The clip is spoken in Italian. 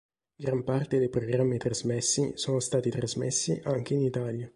Gran parte dei programmi trasmessi sono stati trasmessi anche in Italia.